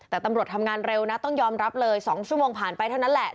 แต่ตำรวจทำงานเร็วนะต้องยอมรับเลย๒ชั่วโมงผ่านไปเท่านั้นแหละ